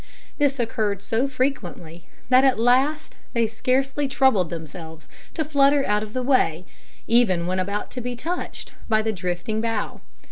This occurred so frequently, that at last they scarcely troubled themselves to flutter out of the way, even when about to be touched by the drifting bough.